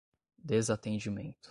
desatendimento